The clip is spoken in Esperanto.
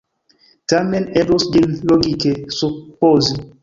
Tamen eblus ĝin logike supozi!